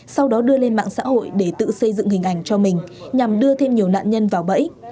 sau đó đưa lên mạng xã hội để tự xây dựng hình ảnh cho mình nhằm đưa thêm nhiều nạn nhân vào bẫy